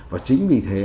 và chính vì thế